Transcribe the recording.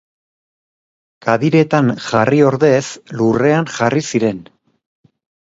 Kadiretan jarri ordez lurrean jarri ziren.